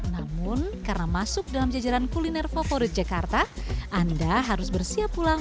namun karena masuk dalam jajaran kuliner favorit jakarta anda harus bersiap pulang